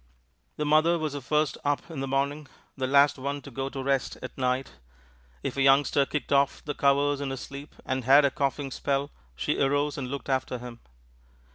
The mother was the first one up in the morning, the last one to go to rest at night. If a youngster kicked off the covers in his sleep and had a coughing spell, she arose and looked after him.